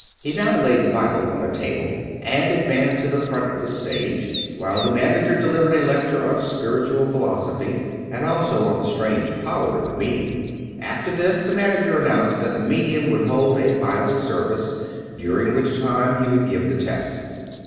He now laid the Bible on a table and advanced to the front of the stage, while the manager delivered a lec ture on spiritual philosophy and also on the strange power of the medium. After this the manager announced that the medium would hold a Bible service, during which time be would give the tests.